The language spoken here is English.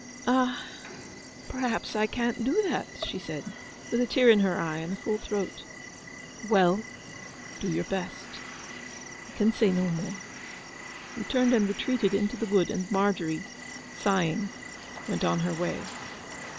'Ah, perhaps I can't do that,' she said, with a tear in her eye, and a full throat. 'Well—do your best. I can say no more.' He turned and retreated into the wood, and Margery, sighing, went on her way.